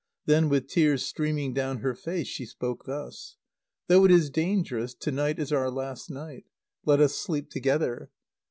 Then, with tears streaming down her face, she spoke thus; "Though it is dangerous, to night is our last night. Let us sleep together!"